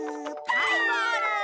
はいゴール！